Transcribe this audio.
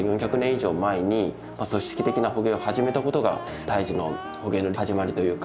以上前に組織的な捕鯨を始めたことが太地の捕鯨の始まりというか。